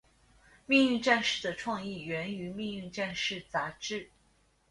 命运战士的创意源于命运战士杂志。